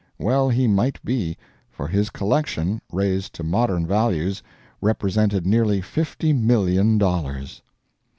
Well he might be; for his collection, raised to modern values, represented nearly fifty million dollars!